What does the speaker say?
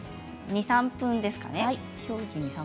２、３分ですかね。